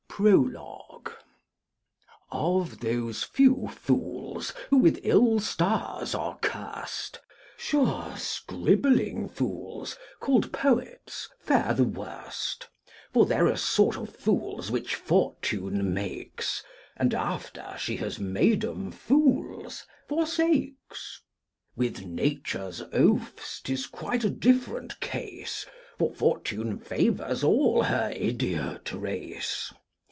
PROLOGUE. Spoken by MR. BETTERTON. OF those few fools, who with ill stars are curst, Sure scribbling fools, called poets, fare the worst: For they're a sort of fools which fortune makes, And, after she has made 'em fools, forsakes. With Nature's oafs 'tis quite a diff'rent case, For Fortune favours all her idiot race.